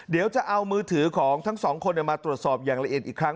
เดี๋ยวจะเอามือถือของทั้งสองคนมาตรวจสอบอย่างละเอียดอีกครั้ง